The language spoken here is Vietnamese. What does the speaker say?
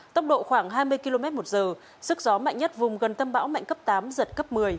tốc độ khoảng hai mươi km một giờ sức gió mạnh nhất vùng gần tâm bão mạnh cấp tám giật cấp một mươi